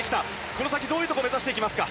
この先、どういうところを目指していきますか？